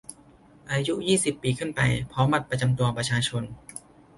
อายุ ยี่สิบ ปีขึ้นไป พร้อมบัตรประจำตัวประชาชน